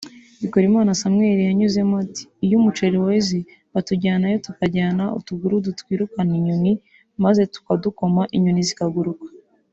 Bikorimana Samuel yunzemo ati “iyo umuceri weze batujyanayo tukajyana utugurudu twirukana inyoni maze tukadukoma inyoni zikaguruka